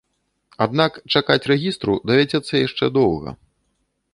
Аднак чакаць рэгістру давядзецца яшчэ доўга.